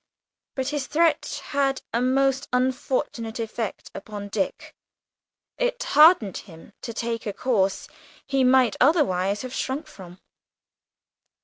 But his threat had a most unfortunate effect upon Dick; it hardened him to take a course he might otherwise have shrunk from.